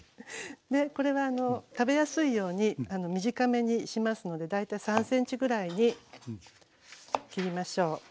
でこれは食べやすいように短めにしますので大体３ｃｍぐらいに切りましょう。